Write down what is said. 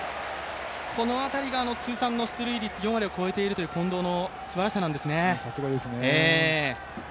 この辺りが出塁率４割を超えているという近藤のすばらしさですね。